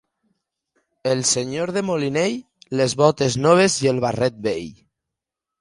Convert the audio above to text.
El senyor de Molinell, les botes noves i el barret vell.